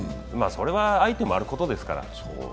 それは相手もあることですから。